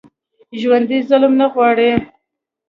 ژوندي ظلم نه غواړي